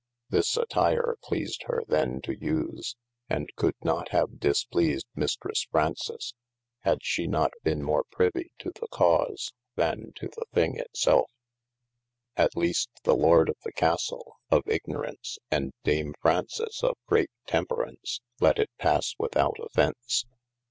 This attyre pleased hir then to use, and could not have dis pleased Mistresse Fraunces, had she not ben more privy to the cause, then to the thing it selfe : at least the Lorde of the Castle, of ignnoraunce, and dame Fraunces, of great tempor aunce, let it passe without offence.